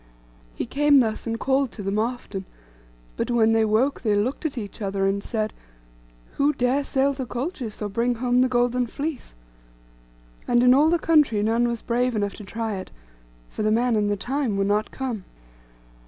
He came thus, and called to them often; but when they woke they looked at each other, and said, 'Who dare sail to Colchis, or bring home the golden fleece?' And in all the country none was brave enough to try it; for the man and the time were not come.